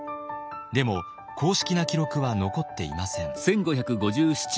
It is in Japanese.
でも公式な記録は残っていません。